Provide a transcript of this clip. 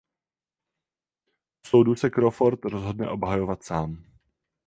U soudu se Crawford rozhodne obhajovat sám.